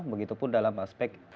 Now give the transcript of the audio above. begitu pun dalam aspek